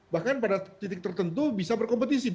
bahkan pada titik tertentu bisa berkompetisi